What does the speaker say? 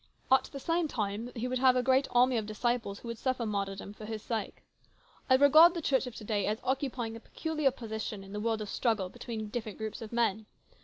At the same time, He would have a great army of disciples 248 HIS BROTHER'S KEEPER. who would suffer martyrdom for His sake. I regard the Church of to day as occupying a peculiar position in the world of struggle between different groups of men.